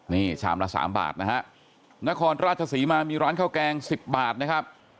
นี่ชามละสามบาทนะฮะนครราชศรีมามีร้านข้าวแกง๑๐บาทนะครับ